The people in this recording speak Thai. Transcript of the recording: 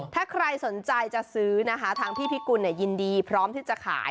ถ้าใครสนใจจะซื้อนะคะทางพี่พิกุลยินดีพร้อมที่จะขาย